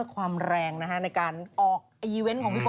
หาเพลงอะไรครับคุณแม่